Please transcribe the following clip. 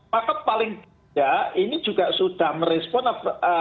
paket paling gede ini juga sudah merespon apa